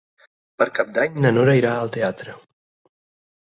Per Cap d'Any na Nora irà al teatre.